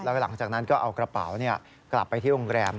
แล้วหลังจากนั้นก็เอากระเป๋ากลับไปที่โรงแรม